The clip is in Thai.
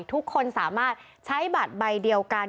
ทุกคนสามารถใช้บัตรใบเดียวกัน